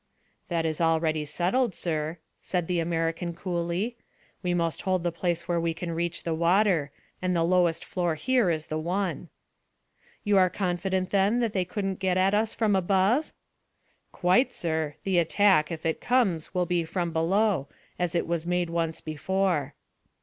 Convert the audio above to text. "That is already settled, sir," said the American coolly. "We must hold the place where we can reach the water, and the lowest floor here is the one." "You are confident, then, that they couldn't get at us from above?" "Quite, sir. The attack, if it comes, will be from below, as it was made once before."